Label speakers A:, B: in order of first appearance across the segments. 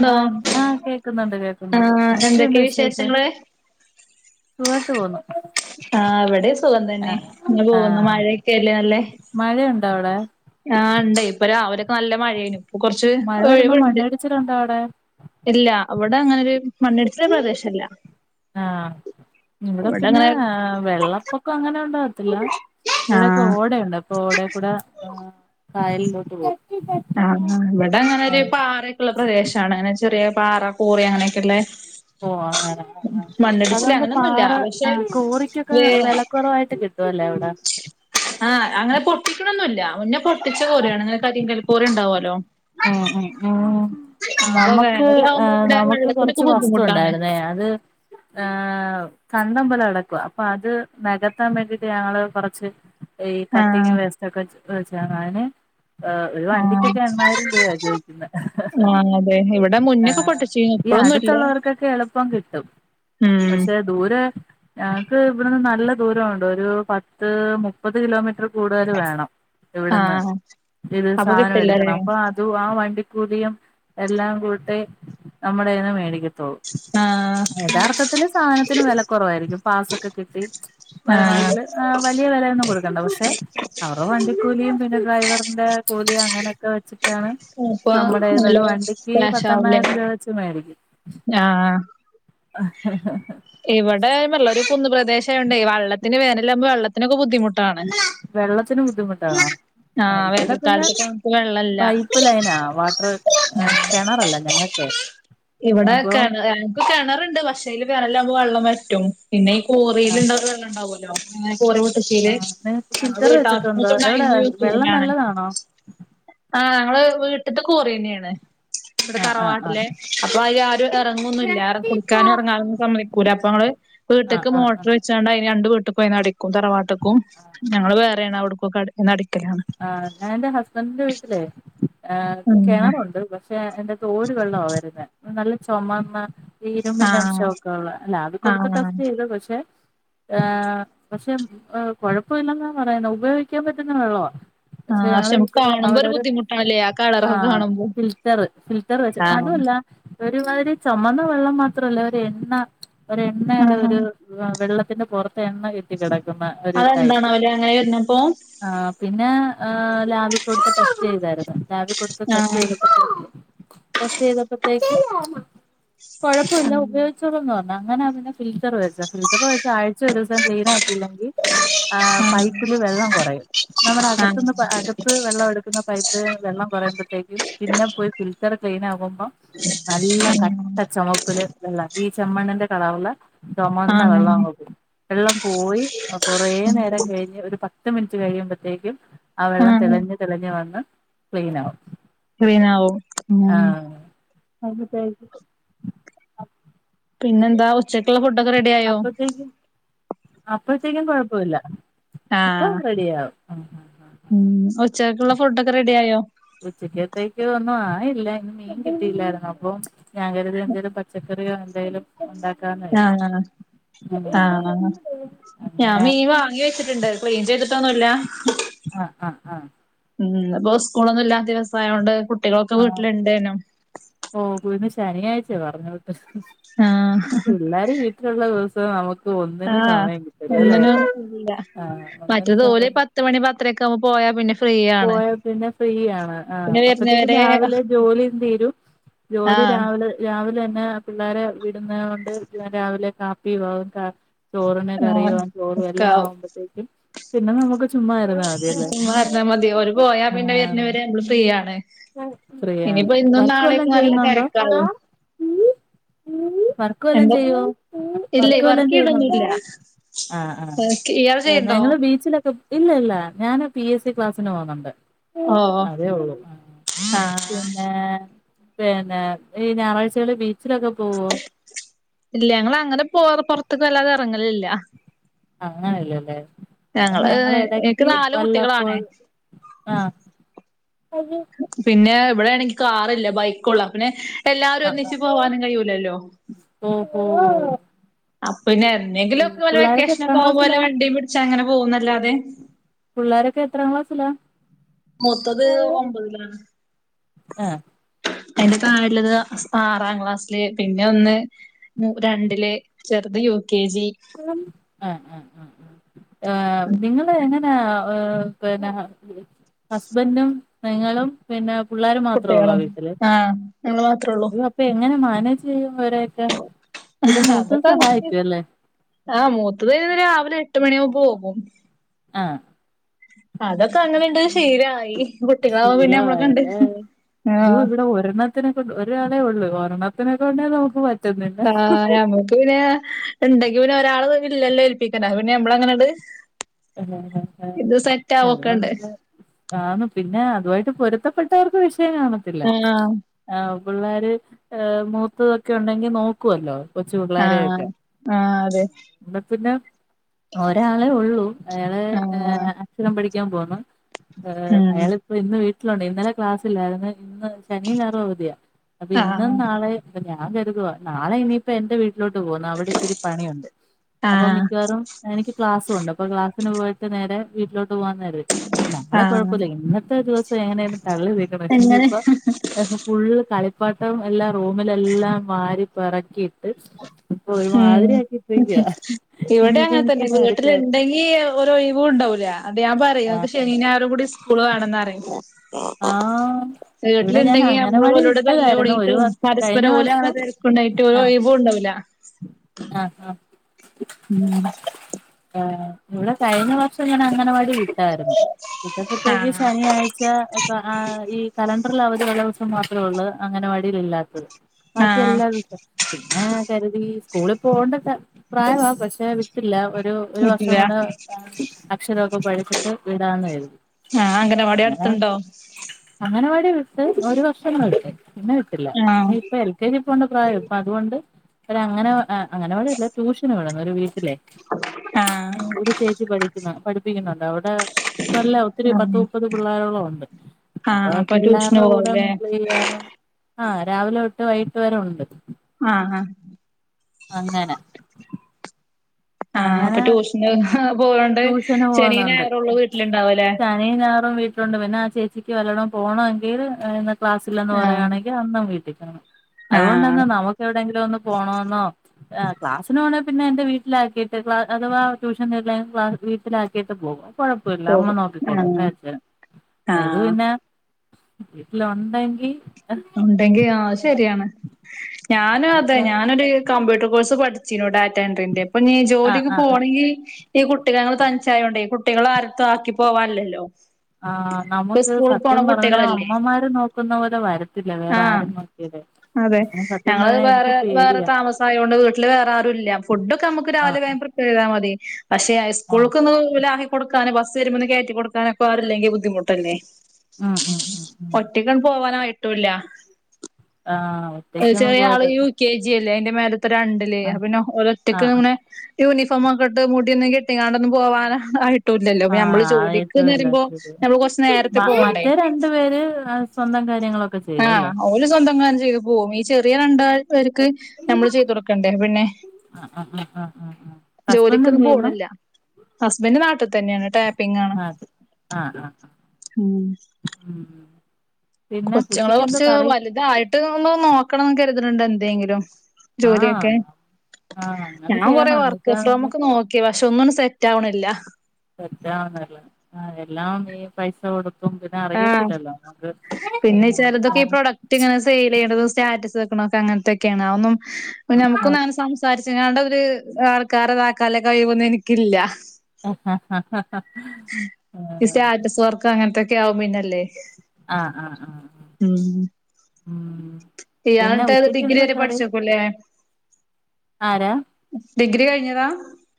A: Hello
B: ആഹ് ആഹ് കേക്കുന്നുണ്ട് കേക്കുന്നുണ്ട്.
A: ആഹ്
B: എന്തൊക്കെയുണ്ട്
A: എന്തൊക്കെ
B: വിശേഷം?
A: വിശേഷങ്ങള്
B: സുഖായിട്ട് പോവുന്നു.
A: ആഹ്, ഇവിടിം സുഖം തന്നെ അങ്ങനെ പോകുന്നു. മഴൊക്കല്ലേ നല്ലെ.
B: മഴയുണ്ട അവിടെ?
A: ആഹ്, ഇണ്ടേ ഇപ്പ രാവിലെ ഒക്കെ നല്ല മഴേനു. ഇപ്പൊ കൊറച്ച്
B: മഴ വരുമ്പോ
A: ഒഴിവുണ്ട്.
B: മണ്ണിടിച്ചിലുണ്ടോ അവിടെ
A: ഇല്ല, അവിടെ അങ്ങനെരു മണ്ണിടിച്ചിൽ പ്രദേശല്ല.
B: ആഹ്, ഇവടെ
A: ഇവിടെ
B: പിന്നെ
A: അങ്ങനെ
B: വെള്ളപ്പൊക്കം അങ്ങനെ ഉണ്ടാ ത്ത്ല്ല, ഇവിടെയൊക്കെ
A: ആഹ്
B: ഓടയുണ്ട്. അപ്പൊ ഓടെക്കൂടെ കായലിലോട്ട് പോവും.
A: ആഹ് ആഹ് ഇവിടെ അങ്ങന ഒരു
B: ആഹ്
A: പാറേ ഉള്ള പ്രദേശാണ്, അങ്ങനെ ചെറിയ പാറ, കോറി അങ്ങനെഒക്കെ ഇളെള
B: ഓഹ്! അങ്ങനെ ആഹ് ആഹ് അതാവുമ്പം
A: അങ്ങനൊന്നുല്ല
B: പാറ
A: പക്ഷെ
B: ആ കോറിക്കൊക്കെ
A: വേ
B: വിലക്കുറവായിട്ട് കി ട്ടു അല്ലേ അവിട
A: ആഹ്, അങ്ങനെ പൊട്ടിക്ക്ണൊന്നുല്ല. മുന്നെ പൊ ട്ടിച്ച
B: ആ
A: കോറി ആണ്. അങ്ങനെ കരിങ്കൽ കോറി ഉണ്ടാവൊല്ലോ
B: ഉം ഉം ഉം നമുക്ക് ആ
A: വേനലാവുമ്പോ ഇവിടെ
B: നമുക്ക്
A: വെള്ളത്തിനൊക്കെ
B: കൊറച്ച് വസ്തു
A: ബുദ്ധിമുട്ടാണ്
B: ഉണ്ടായിരുന്നേ, അത് ആവ് കണ്ടം പോലെ കെടക്കുവ. അപ്പൊ അത് നെകത്താൻ വേണ്ടിട്ട് ഞങ്ങള് കൊറച്ച് ഈ കട്ടിങ്
A: ആഹ്
B: വേസ്റ്റൊക്കെ വച്ച് [unintelligible] അയിന് ഏഹ് ഒരു
A: ആഹ്
B: വണ്ടിക്കൊക്കെ എണ്ണായിരം [unintelligible] ചോദിക്കുന്ന [unintelligible]
A: ആഹ് അതെ ഇവിടെ മുന്നൊക്കെ
B: ആഹ്.
A: പൊട്ടിച്ചീനു
B: ഈ
A: ഇപ്പഴൊന്നുല്ല
B: അടുത്തുള്ളവർക്കൊക്കെ എളുപ്പം കിട്ടും.
A: ഉം
B: പക്ഷേ ദൂരെ ഞങ്ങക്ക് ഇവിടുന്ന് നല്ല ദൂരോംണ്ട്. ഒരു പത്ത് മുപ്പത് കിലോമീറ്റർ കൂടുതല് വേണം ഇവിട്ന്ന്,
A: ആഹ്
B: ഇത്
A: അപ്പൊ
B: സാധനം എടുക്കണം
A: കിട്ടില്ലല്ലേ
B: അപ്പാ തുആ വണ്ടിക്കൂലിയും എല്ലാം കൂട്ടി നമ്മടേന്ന് മേടിക്കത്തൊള്ളു
A: ആഹ്
B: യഥാർത്ഥത്തില് സാധനത്തിന് ‌വില ക്കൊറവായിരിക്കും. പാസൊക്കെ കിട്ടി
A: ആഹ്
B: വരണമെങ്കില് ആഹ് വലിയ വെലയൊന്നും കൊടുക്കണ്ട. പക്ഷെ അവർട വണ്ടിക്കൂലിയും പിന്നെ ഡ്രൈവറിന്റെ കൂലിയും അങ്ങനൊക്കെ വെച്ചിട്ടാണ്
A: അപ്പൊ നല്ല
B: നമ്മുടേന്നൊരു വണ്ടിക്ക്
A: ക്യാഷാവുല്ലേ
B: പത്തെണ്ണായിരം രൂപ വെച്ച് മേടിക്കും അഹ്
A: ഇവടെ ഞാൻ പറഞ്ഞില്ലോ ഒരു കുന്നുപ്രദേശായോണ്ടേയ് വള്ളത്തിന് വേനലാകുമ്പൊ വെള്ളത്തിനൊക്കെ ബുദ്ധിമുട്ടാണ്
B: വെള്ളത്തിന് ബുദ്ധിമുട്ടാണോ? ആഹ് ഇവിടെ പിന്നെ
A: വേനൽക്കാലത്തൊക്കെ നമുക്ക് വെള്ളല്ല
B: പൈപ്പ് ലൈനാ വാട്ടർ കെണറല്ല ഞങ്ങക്കെ
A: ഇവടെ
B: അപ്പൊ
A: കെണരാണ് ഒരു കെണറ്ണ്ട് പക്ഷേ അയ്ല് വേനലാവുമ്പോ വെള്ളം വറ്റും. പിന്നെ ഈ
B: ആ
A: കോറീല്ള്ളൊരു വെള്ളം ണ്ടാവുല്ലോ ആഹ്
B: ആ
A: കോറിപൊട്ടിച്ചേല്.
B: നിങ്ങക്ക്
A: ഞങ്ങൾ
B: ഫിൽറ്റർ വെച്ചിട്ടുണ്ടോ
A: വീട്ടാവിശ്യത്തിനൊക്കെന്നാ അയ്‌ന്ന് യൂസെയ്യലാണ്
B: ഉം
A: ആഹ് ഞങ്ങള് വീട്ടിത്ത കോറിയന്നേണ്. ഇവടെ
B: ആഹ് ആഹ്
A: തറവാട്ടിലെ
B: ആഹ്
A: അപ്പൊഅയ്ലാരു എറങ്ങുന്നുല്ല. കുളിക്കാനും എറങ്ങാനൊന്നും സമ്മതിക്കൂല. അപ്പങ്ങള്
B: ആഹ്
A: വീട്ടിക്ക്
B: ആഹ് ആഹ്
A: മോട്ര് ചേട്ടൻ അതിന് രണ്ടു വീട്ടുക്കും അതിനടിക്കും തറവാട്ടക്കും ഞങ്ങള്ൾ വേറെ ആണ് അവിട് ഒക്കെ എന്ന്‌ അടിക്കെലാണ്
B: ആഹ് ങ്ങനെന്റെ ഹസ്ബൻഡന്റിന്റെ വീട്ടിലെ
A: ഉം
B: കെണറുണ്ട് പക്ഷേ ക്ഷെ എന്തൊ ഓര് വെള്ള ആ വരുന്നേ. നല്ല ചൊമന്ന ഈരുമ്പിന്റെ
A: ആഹ്
B: അംശം ഒക്കെ ഉള്ള, അല്ല അത്
A: ആഹ്
B: കൊടുത്ത് ടെസ്റ്റ് ചെയ്തു പക്ഷെ ഏ പക്ഷെ കൊഴപ്പ ഇല്ലെന്നാ പറയുന്നെ, ഉപയോഗിക്കാൻ പറ്റുന്ന വെള്ളവാ പക്ഷെ
A: ആഹ്
B: ഞങ്ങളെ
A: നമുക്ക് കാണുമ്പോ ഒരു
B: വീട്ടിലെഅവിടൊരു
A: ബുദ്ധിമുട്ടാണല്ലേ
B: ആ
A: കളറൊക്കെ കാണുമ്പോ
B: ഫിൽറ്ററ് ഫിൽറ്റർ വെച്ച്
A: ആഹ്
B: അതുഅല്ല ഒരുമാതിരി ചൊമന്ന വെള്ളം മാത്രല്ല, ഒരു എണ്ണ ഒരു എണ്ണയുടെ
A: ആഹ്
B: ഒരു വെള്ളത്തിന്റെ പൊറത്തെണ്ണ കെട്ടി കെടക്കുന്ന ഒരു ടൈപ്പ്
A: അതെന്താണാവല്ലേ അങ്ങനെ വരുന്നപ്പോ
B: ആ പിന്നെഏഹ് ലാബി കൊടുത്ത ടെസ്റ്റ് ചെയ്താരുന്നു. ലാബി കൊടുത്ത
A: ആഹ്
B: ടെസ്‌റ്റെയ്തപ്പതേക്കും ടെസ്റ്റ്‌യ്തപ്പത്തേക്കും കൊഴപ്പവില്ല
A: ആഹ്
B: ഉപയോഗിച്ചോളൂന്ന് പർഞ്ഞു ന്നെ അങ്ങനാ പിന്നെ ഫിൽറ്റർ വെച്ചെ ഫിൽറ്റർ വെച്ചാഴ്ച്ചെ ഒരൂസം ക്ലീനാക്കിയില്ലെങ്കിൽ ആഹ് പൈപ്പില് വെള്ളം കൊറയും. നമ്മളകത്ത്ന്ന് പ
A: ആഹ്
B: അകത് - പ്പഴും വെള്ളവെടുക്കുന്ന പൈപ്പ് വെള്ളം കുറയുമ്പോത്തേക്കും പിന്നെ പോയി ഫിൽറ്റർ ക്ലീനാകുമ്പോ നല്ല കട്ട ചൊമപ്പില് വെള്ള ഈ ചെമ്മണ്ണിന്റെ കളർല് ചൊമന്ന വെള്ളം
A: ആഹ്
B: അങ്ങ് പോവും. വെള്ളം പോയി കൊറേ നേരം കഴിഞ്ഞ് ഒരു പ ത്ത് മിനിറ്റ് കഴിയുമ്പത്തേക്കും ആ വെള്ളം
A: ആഹ്
B: തെളിഞ്ഞ് തെളിഞ് വന്ന് ക്ലീൻ ആവും
A: ക്ലീനാവും
B: ആ
A: ഉം
B: [unintelligible]
A: പിന്നെന്താ ഉച് ചെക്കുള്ള ഫുഡൊക്കെ റെഡി ആയോ
B: അപ്പത്തേക്കും അപ്പത്തേക്കും കൊഴപ്പവില്ല അപ്പം
A: ആഹ്
B: റെഡിയാവും. ഉം
A: ഉം ഉച്ചക്കക്ക്ള്ള ഫുഡൊക്കെ റെഡി ആയോ?
B: ഉച്ചക്കത്തേക്ക് ഒന്നും ആയില്ല. ഇന്ന് മീൻ കിട്ടിയില്ലായിര്ന്നു. അപ്പം ഞാൻ കരുതി എന്തേലും പച്ച ക്കറിയോ എന്തേലും ഉണ്ടാക്കാന്ന് കരുതി. ഉം
A: പാവങ്ങ, ഞാൻ
B: അങ്ങനെ
A: മീൻ വാങ്ങി വെച്ചിട്ടുണ്ട് ക്ലീൻ ചെയ്തിട്ടൊന്നുല്ല.
B: ആഹ് ആഹ് ആഹ്
A: ഉം. ന്ന്പ്പൊ സ്കൂളൊന്നും ഇല്ലാത്ത ദിവസായോണ്ട് കുട്ടികളൊക്കെ വീട്ടിലിണ്ടയ്‌നും
B: ഓ പ്പുന്ന് ശനിയാഴ്ച്ചെ പറഞ്ഞൂട്ട്.
A: ആഹ്
B: പിള്ളേരു വീട്ടിലുള്ള ദിവസം നമുക് ക്ക് ഒന്നിനും
A: ആഹ്
B: സമയം കിട്ടല്ലല്ലേ.
A: ഒന്നിനും
B: ആ ഒന്നിനും സമയം
A: ത്ത് മണി പത്തരൊക്കെ ആവുമ്പോ പോയാ പിന്നെ ഫ്രീ ആണ്
B: പോയാപിന്നെ ഫ്രീ ആണ്. ആ
A: പിന്നെ
B: അപ്പത്തേക്കും
A: വരുന്നവരെ
B: രാവിലെ ജോലിം തീരും. ജോലി
A: ആഹ്
B: രാവിലെ രാവിലെന്നെ പിള്ളേരെ വിടുന്നേനെ കൊണ്ട് ഞാൻ രാവിലെ കാപ്പി വാവും കാ ചോറിനെ കറിയു
A: ആഹ്
B: ആവാൻ ചോറും എല്ലാം
A: ഒക്കാവും
B: ആകുമ്പോത്തേക്കും പിന്നെ നമ്മുക്ക് ചുമ്മായിരുന്നാ മതിയല്ലേ.
A: ന്ന മതി ഓര് പോയാ
B: ആ
A: പിന്നെ വരണ വരെ നമ്മള് ഫ്രീയാണ്.
B: ഫ്രീയാണ് വർക്കും വല്ലോം ചെയ്യുന്നുണ്ടോ
A: തിരക്കാവും
B: വർ ക്ക് വല്ലം
A: എന്താ
B: ചെയ്യോ
A: ഇല്ലേ
B: വർക്ക് വല്ലാം ചെയ്യുന്നുണ്ടോ?
A: ചെയ്യണൊന്നുല്ല
B: ആഹ്
A: വർക്ക് ഇയാള്
B: ആഹ്
A: ചെയ്യണ്ടോ
B: ഞങ്ങള് ബീച്ചിലൊക്കെ ഇല്ല ഇല്ല ഞാന് പി എസ് സി ക്ലാസ്സിന് പോന്നുണ്ട്.
A: ഓ ആഹ്.
B: പിന്നെ പിന്നെ ഈ ഞായറാഴ്ചകള് ബീച്ചിലൊക്കെ പോവോ?
A: ഇല്ല ഞങ്ങൾ അങ്ങനെ പോവൽ പുറത്തക്ക് വല്ലാതെ ഇറങ്ങലില്ല.
B: അങ്ങനെല്ലല്ലേ
A: ഞങ്ങള്
B: ഞങ്ങൾ
A: എനിക്ക്
B: ഇടക്ക്
A: നാല് കുട്ടികളാണ്
B: വല്ലപ്പോഴും ആഹ് അത്
A: പിന്നെ ഇവിടെ ആണെങ്കി കാറില്ല ബൈക്കൊള്ളു പിന്നെ എല്ലാരും ഒന്നിച്ച്
B: ആഹ്
A: പോവാനും കഴിയൂലല്ലോ.
B: ഓ ഓ.
A: അപ്പോ പിന്നെ എന്നെങ്കിലും ഒക്കെ ഓലെ
B: പിള്ളോരൊക്കെ എത്രാം
A: വെക്കേഷനക്കെ ആകുമ്പോലെ
B: ക്ലാസ്സിലാ
A: വണ്ടീ പിടിച്ചാ അങ്ങനെ പോകുന്നല്ലാതെ.
B: പുള്ളാരൊക്കെ എത്രാം ക്ലാസ്സിലാ?
A: മൂത്തത് ഒമ്പതിലാണ്.
B: ആഹ്
A: എയിന്റെ തായിള്ളത് ആറാം ക്ലാസ്സില് പിന്നെ ഒന്ന്. മൂ രണ്ടില് ചെറുത് യു കെ ജി.
B: ആഹ് ആഹ് ആഹ് ആഹ് നിങ്ങള് എങ്ങ ന പിന്നെ ഹസ്ബൻറും നിങ്ങളും പിന്നെ പുള്ളാരും മാത്രേ ഉള്ളോ
A: കുട്ടികളോ
B: വീട്ടില്?
A: ആഹ് ഞങ്ങള് മാത്രേ ഉള്ളൂ
B: ഇപ്പൊ എങ്ങനെ മാനേജ് ചെയ്യും ഇവരെയൊക്കെ പിന്നെ മൂത്തത്
A: അതൊക്കെ അങ്ങനെ
B: സഹായിക്കും അല്ലേ?
A: ആഹ് മൂത്തത് ഒരു രാവിലെ എട്ട് മണിയാവുമ്പോ പോകും.
B: ആഹ്.
A: അതൊക്കെ അങ്ങനെ ഇണ്ട് ശീലായി വീട്ടിലാവുമ്പോ പിന്നെ അങ്ങനെ കണ്ട് ആഹ്.
B: ഓരുന്ന ത്തിനെ കൊണ്ട് ഒരാളെ ഉള്ളൂ ഒരണത്തിനെ കൊണ്ടേ നമുക്ക് പറ്റ്
A: ആഹ് ഞമ്മക്ക് പിന്നെ. ഇണ്ടെങ്കി പിന്നെ ഒരാള് ഇല്ലല്ലേ ഏൽപ്പിക്ണ് പിന്നെ ഞമ്മള അങ്ങനെയട്.
B: ആഹ് ആഹ് ആഹ് പിന്നെ നമ്മള്. ആന്ന് പിന്നെ അതു ആയിട്ട് പൊരുത്തപ്പെട്ടവർക്ക് വിഷയം കാണത്തില്ല.
A: ആഹ്
B: ആഹ് പിള്ളാര് മൂത്തതൊക്കെ ഉണ്ടെങ്കി നോക്കുവല്ലോ. കൊച്ചു
A: ആഹ് ആഹ് അതെ.
B: ഇടെ പിന്നെ ഒരാളെ ഉള്ളു അയാളെ
A: ആഹ്
B: അക്ഷരം പഠിക്കാൻ പോവ്ന്ന്. ർ
A: ഉം
B: അയാളിപ്പൊ ഇന്ന് വീട്ടിലോണ്ട് ഇന്നലെ ക്ലാസ്സില്ലായിരുന്നു ഇന്ന് ശനിയും ഞായറും അവതിയ. അപ്പൊ ഇന്നും
A: ആഹ്
B: നാളെ അപ്പൊ ഞാൻ കരുതുവ നാളെ ഇനി. അപ്പൊ എന്റെ വീട്ടിലോട്ട് പോന്നു അവിടെ ഇച്ചിരി പണിയുണ്ട് അപ്പൊ
A: ആഹ്
B: മിക്കവാറും എനിക്ക് ക്ലാസ്സും ഉണ്ട് അപ്പൊ ക്ലാ നേരെ വീട്ടിലോട്ട് പോന്നാല് നാളെ
A: ആഹ്
B: കുഴപ്പല്ല ഇന്നത്തെ ദിവസം എങ്ങനെയും തള്ളി നീ ക്കണം ഇഞ്ഞി
A: അങ്ങനെ
B: ഇപ്പൊ [unintelligible] ഫുള്ള് കളിപ്പാട്ടം എല്ലാം റൂമിലെല്ലാം വാരി പെറക്കിയിട്ട്. ഇപ്പൊ
A: ഉം
B: ഒരുമാതിരി ആക്കിയിട്ടിരിക്കുവാ
A: ഇവിടെ
B: ഇനിയിപ്പോ
A: അങ്ങനെ തന്നെ
B: എനിക്കിനി അടുത്ത
A: വീട്ടിലുണ്ടെങ്കി ഈ ഒര് ഒഴിവ് ഉണ്ടാവൂല ന്നിട്ട് ഞാൻ പറയും
B: ആ
A: അവക്ക് ശനിയും ഞായറും കൂടി സ്കൂള് വാണം ന്ന്റിം.
B: ആഹ്. ഇവിടെ ഞാൻ
A: നമ്മള്
B: അങ്ങനവാടി
A: ഓലോട് തല്ല്
B: വിട്ടവരുന്നു ഒരു
A: കൂടിയിട്ടും
B: വ കഴിഞ്ഞ
A: പരസ്പരം ഓല് അങ്ങനെ
B: വർഷം
A: തിരക്കുണ്ടായിട്ട്
B: ആഹ്.
A: ഒരൊഴിവും ഉണ്ടാവൂല
B: ആഹ് ആഹ്
A: ഉം
B: ആഹ്. ഇവിടെ കഴിഞ്ഞ വർഷം ഞാൻ അംഗനവാടി വിട്ടായിരുന്നു വിട്ടപ്പോഴത്തേക്ക്
A: ആഹ്
B: ശനിയാഴ്ച. ച്ച ഈ കലണ്ടറിൽ അവധി ഉള്ള ദിവസം മാത്രമേ ഉള്ളൂ അംഗനവാടി ഇല്ലാത്തത്. ബാക്കി
A: ആഹ്
B: എല്ലാ ദിവസും പിന്നെ കരുതി സ്കൂളിൽ പോകണ്ട പ്രായമാ പക്ഷെ വിട്ടില്ല. ഒരു ഒരു വർഷം
A: ഇല്ല
B: കൂടെ അക്ഷരമൊക്കെ പടിച്ചിട്ട് വിടാന്ന് കരുതി.
A: ആഹ് അകനവാടി അടത്ണ്ടോ?
B: അങ്ങനവാടി വിട്ട് ഒരു വർഷം വിട്ട് പിന്നെ വിട്ടില്ല
A: ആഹ്
B: ഇപ്പൊ എൽ കെ കെ ജി പ്പോണ്ട പ്രായം ഇപ്പൊ അതുകൊണ്ട് ഒ അങ്ങന അങ്ങനവാടിയല്ല ട്യൂഷന് വിട്ന്നെ ഒരു വീട്ടിലെ
A: ആഹ്
B: ഇവിടെ ചേച്ചി പഠിക്കുന്ന പഠിപ്പിക്കുന്നുണ്ട് അവിടെ നല്ല ഒത്തിരി പത്ത്
A: ആഹ്
B: മുപ്പത് പിള്ളാരോളം ഉണ്ട്. അപ്പൊ
A: ആഹ് ട്യൂഷന്
B: പിള്ളേരുടെ കൂടെ
A: പോവാവൂല്ലേ
B: മിഗിൾ ചെയ്യാനും ആഹ് രാവിലെ തൊട്ട് വൈകിട്ട് വരെ ഉണ്ട്
A: ആഹ് ആഹ്
B: അങ്ങനെ
A: ആഹ് അപ്പൊ
B: അങ്ങനെ
A: ട്യൂഷന് പോവോണ്ട്
B: ട്യൂഷന്
A: ശനി ഞായറും ഒള്ളു വീട്ടിലിണ്ടാവല്ലേ
B: ശെനീ ഞാറും വീട്ടിലുണ്ട് പിന്നെ ആ ചേച്ചിക്ക് വല്ലണം പോകണമെങ്കിൽ ക്ലാസ്സിലന്ന്
A: ആഹ്
B: പറയാണെങ്കിൽ അന്നും വീട്ടികാണും
A: ആഹ്
B: അതുകൊണ്ടന്നെ നമുക്ക് എവിടെെങ്കിലും ഒന്ന് പോണെന്നോ ആ ക്ലാസന് പോണ പിന്നെ എന്റെ വീട്ടിലാക്കിട്ട് ക് അഥവാ ട്യൂഷൻഇല്ലേ വീട്ടിലാക്കിയിട്ട് പോവും. കൊഴപ്പില്ല അമ്മ
A: പോകും
B: നോക്കിക്കോളു
A: ആഹ്
B: എന്നച്ച ഏത്
A: ആഹ്
B: പിന്നെ വീട്ടിലുണ്ടെങ്കി
A: ഉണ്ടെങ്കി ആ
B: ഇങ്ങനെ
A: ശരിയാണ് ഞാനും അതെ
B: വീട്ടില
A: ഞാനൊരു കമ്പ്യൂട്ടർ കോഴ്സ് പഠിച്ചിനു ഡാറ്റൻറിന്റെ അപ്പൊ നീ
B: ആ
A: ജോലിക്ക്
B: ആ
A: പോണെങ്കി ഈ കുട്ടികൾ ഞങ്ങൾ തനിച്ചയായൊണ്ട ഈ കുട്ടികൾ ആരത്തും ആക്കി പോവാല്ലല്ലോ
B: ആ്
A: ഇപ്പൊ
B: നമുക്ക്
A: സ്കൂളിൽ പോണ
B: സത്യം പറഞ്ഞാ
A: കുട്ടികളല്ലേ
B: അമ്മമാര് നോക്കുന്ന പോലെ വരത്തില്ല വേറെ
A: ആഹ്
B: ആരും നോക്കിയ
A: അതെ ഞങ്ങള് വേറെ വേറെ
B: പേടിയാ
A: താമസയതോണ്ട് വീട്ടില് വേറെ ആറും ഇല്ല ഫുഡ്ഒക്കെ നമുക്ക് രാവിലെ
B: ആഹ്
A: പ്രിപ് [unintelligible] ചെയ്ത മതി പക്ഷെ
B: ആഹ്
A: സ്കൂളക്കന്ന് [unintelligible] കൊടുകാന് ബസ് വരുമ്പോ കേറ്റി കൊടുക്കാനൊരാളിലെക്കെെങ്കിൽ ബുദ്ധിമുട്ടല്ലേ
B: ഉം ഉം ഉം ഉം
A: ഒറ്റക് പോവാനായിട്ടൂില്ല
B: ആഹ് ഓ
A: ചെറിയ ആള് യു കെ ജില്ലേ അതിന്റെ മേലത്തെ രണ്ടില് അ
B: ആഹ്
A: പിന്നെ ഒരറ്റക്ക്
B: ആഹ്
A: നമ്മെ യൂണിഫോം ഒക്കെ ഇട്ട് മുടിയൊന്ന് കെട്ടിക്കാണ്ടൊന്ന് പോകാനൻ ആയിട്ട് ട്ടല്ലല്ലോ
B: ആഹ്
A: നമ്മള് ജോലിക്ക്ന്ന്
B: അറിയത്തൂല്ല
A: വരുമ്പോ നമ്മള് കൊറച്ച് നേരത്തെ പോവണ്ടേ
B: വേ [unintelligible] സ്വന്തം കാരിയളൊക്ക
A: ആഹ് ഓല് സ്വന്തം ക ചെയ്ത് പോവും ഈ ചെറിയ രണ്ടാൾ അവർക്ക് നമ്മള് ചെയ്തുകൊടുക്കണ്ടേ പിന്നെ
B: ആഹ് അഹ് അ
A: ജോലിക്കൊന്നും പോണില്ല ഹസ്ബൻഡ് നാട്ടിൽ തന്നെയാണ് ടാപ്പിംഗ് ആണ്
B: ആഹ് ആഹ് ആഹ്
A: ഉം
B: ഉം പിന്നെ
A: കൊച്ചുങ്ങള്
B: ഉച്ചക്ക് എന്താ
A: കൊറച്ച്
B: കറി
A: വലുതായിട്ട് ഒന്ന് നോക്കണം കരുദുട്ടുണ്ട് എന്തെങ്കിലും ജോലിയൊക്കെ
B: ആഹ് ആഹ് അങ്ങനെ
A: ഞാൻ കൊറ
B: ചെയ്യണം എന്ന്
A: വർക്ക്
B: വെച്ചാ
A: ഫ്രം
B: നമ്മ
A: മുക്ക് നോക് കി പക്ഷെ ഒന്നും സെറ്റ് ആവണില്ല
B: സെറ്റാവന്നലൊ ആ എല്ലാം ഇ പൈസ കൊടുക്ക ത് പിനെ
A: ആഹ്
B: അറിയത്തില്ലല്ലോ നക്ക്
A: പിന്നെങ്ങനെ സൈൽ ചെയ്യേതത് സ്റ്റാറ്റസ് വെക്കണക്കെ അങ്ങനത്തെൊക്കെയാണ് ആതൊ
B: ആഹ്
A: നമുക്കൊന്ന അങ്ങെനെ സ സാരിച്ചങ്ങാണ്ടര് ആൾക്കാരതാക്കാലെ കഴിയുവൊന്നും എനിക്കില്ല
B: ആ ആഹ് ആഹ് ഹ
A: സ്റ്റാറ്റസ് വർക്ക് അങ്ങനത്തെൊക്കെ ആകും പിന്നെല്ലേ
B: ആഹ് ആഹ് ആഹ്
A: ഇയാള്
B: പിന്നെ
A: എന്നിട്ട്
B: ഉച്ചക്ക്
A: ഡിഗ്രി
B: എന്തോ
A: വരെ
B: കറി
A: പഠിച്ചേക്കൂല്ലേ
B: ആരാ
A: ഡിഗ്രി കഴിഞ്ഞതാ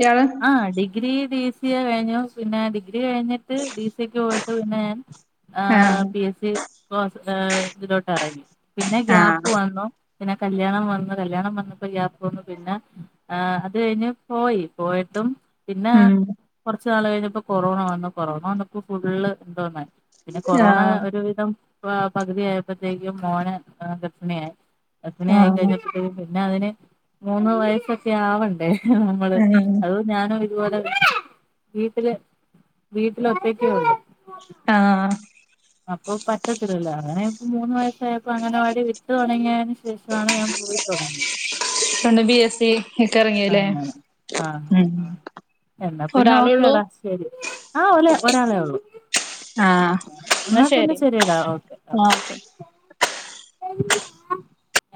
A: ഇയാള്
B: ആ ഡിഗ്രി ഡി സിയ കഴിഞ്ഞു പിന്നെ ഡിഗ്രി കഴിഞ്ഞിട്ട് ഡി സിയക്ക് പോയിട്ട് പിന്നെ ഞാൻ ആ
A: ആഹ്
B: പി എസ് സി കോഴ് ഇതിലോട്ട് ഇറങ്ങി പിന്നെ
A: ആഹ്
B: ഗ്യാപ്പ് വന്നു പിന്നെ കല്യാണം വന്ന് കല്യാണം വന്നപ്പോ ഗ്യാപ്പ് വന്ന് പിന്നെ ആഹ് അത് കഴിഞ്ഞ് പോയി പോയിട്ടും പിന്നെ
A: ഉം
B: കൊറച്ച് നാൾ കഴിഞ്ഞപ്പോ കൊറോണ വന്നു കൊറോണ വന്നപ്പോ ഫുള്ള് ഡൗണ് ആയി പിന്നെ കൊറോണ
A: ആഹ്
B: ഒരുവിധം പകുതിയപ്പോത്തേക്കും മോന് ഗർഭിണിയായി ഗർഭിണി
A: ആഹ്
B: ആയിക്കഴിഞ്ഞിട്ട് പിന്നെ അതിന് മൂന്ന് വയസ്സൊക്കെ ആവണ്ടേ നമ്മള്
A: ഉം
B: അപ്പളും ഞാനും ഇതുപോലെ വീട്ടില് വീട്ടിലൊറ്റക്കെ ഒള്ളു
A: ആഹ്
B: അപ്പൊ പറ്റത്തില്ലല്ലോ അങ്ങനെ ഇപ്പ മൂന്ന് വയസായപ്പോ അംഗനവാടി വിട്ട് തൊടങ്ങിയന് ശേ ശേഷമാണ് ഞാൻ പോയി തൊടങ്ങിയെ
A: പെണ്ണ് ബി എസ് സി ഒക്കെ എറങ്ങില്ലേ
B: അങ്ങനെ ആഹ് ആഹ് എന്നാ പിന്നെ ഓക്കെ ടാ ശരി ആ ഒലെ ഒരാളെ ഒള്ളൂ
A: ആഹ് എന്നാ
B: ഇന്നാപിന്നെ
A: ശരി
B: ശെരിയെടാ ഓക്കെ ആഹ് എ